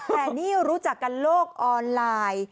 แต่นี่รู้จักกันโลกออนไลน์